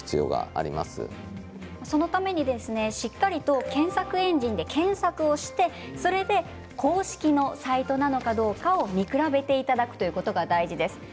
そのためにしっかりと検索エンジンで検索をしてそれで公式のサイトなのかどうかを見比べていただくということが大事です。